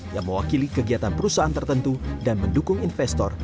yang mewakili kegiatan perusahaan tertentu dan mendukung investor